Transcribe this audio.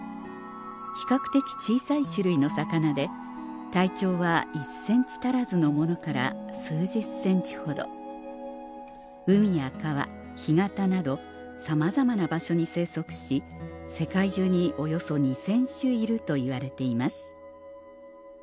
比較的小さい種類の魚で体長は１ｃｍ足らずのものから数十ｃｍほど海や川干潟などさまざまな場所に生息し世界中におよそ２０００種いるといわれています